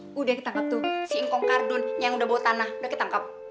nggak nganggep tuh si ngongkong kardun yang udah bawa tanah udah ketangkep